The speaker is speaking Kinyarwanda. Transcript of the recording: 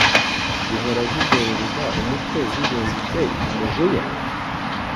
zihora zizunguza umutwe zijunditse umujinya?